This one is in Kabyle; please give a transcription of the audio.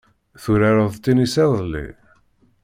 Turareḍ tinis iḍelli.